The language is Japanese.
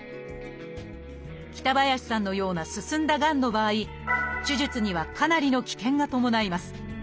北林さんのような進んだがんの場合手術にはかなりの危険が伴います。